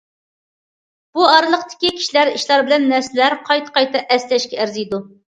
بۇ ئارىلىقتىكى كىشىلەر، ئىشلار، نەرسىلەر قايتا- قايتا ئەسلەشكە ئەرزىيدۇ.